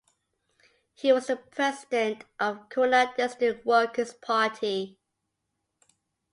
He was the president of Khulna District Workers Party.